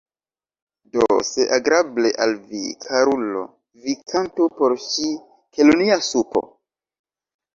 Do, se agrable al vi, karulo, vi kantu por ŝi 'Kelonia Supo’.